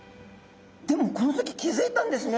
でもこの時気づいたんですね。